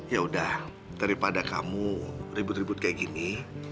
yaudah daripada kamu ribut ribut kayak gini